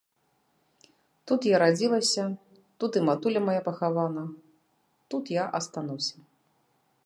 Тут я радзілася, тут і матуля мая пахавана, тут я астануся.